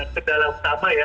itu ke dalam masa ya